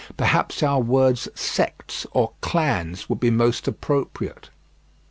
Perhaps our words "sects" or "clans" would be most appropriate.